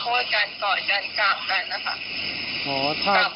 แล้วก็ขอโทษกันก่อนกันกราบกันนะคะ